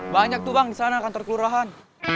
banyak tuh bang disana kantor kelurahan